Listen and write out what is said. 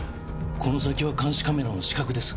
この先は監視カメラの死角です。